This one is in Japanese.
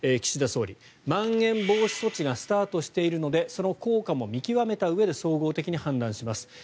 岸田総理は、まん延防止措置がスタートしているのでその効果も見極めたうえで総合的に判断します。